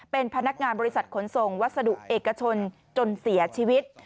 เป็นพนักงานบริษัทขนส่งวัสดุเอกชนจนเสียชีวิต